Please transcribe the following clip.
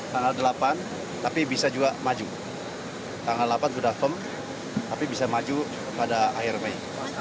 tanggal delapan tapi bisa juga maju tanggal delapan sudah firm tapi bisa maju pada akhir mei